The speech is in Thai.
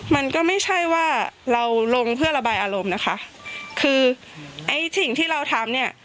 มันก็ไม่ใช่ว่าเราลงเพื่อระบายอารมณ์นะคะคือไอ้สิ่งที่เราทำเนี่ย